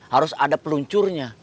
harus ada peluncurnya